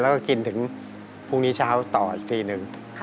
แล้วก็กินถึงพรุ่งนี้เช้าต่ออีกทีหนึ่ง